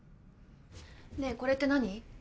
ねえこれって何？